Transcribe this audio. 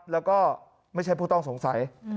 แล้วก็ไม่ใช่ผู้ต้องสงสัย